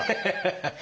ハハハハ。